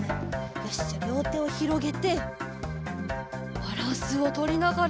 よしじゃありょうてをひろげてバランスをとりながら。